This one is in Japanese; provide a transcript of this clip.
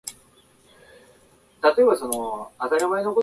そこに痺れる憧れるぅ！！